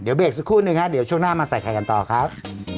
เดี๋ยวเบรกสักครู่นึงฮะเดี๋ยวช่วงหน้ามาใส่ไข่กันต่อครับ